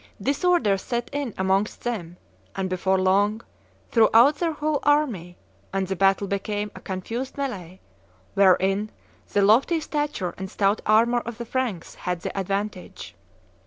Disorder set in amongst them, and, before long, throughout their whole army; and the battle became a confused melley, wherein the lofty stature and stout armor of the Franks had the advantage.